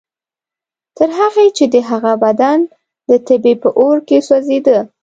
تر هغې چې د هغه بدن د تبې په اور کې سوځېده.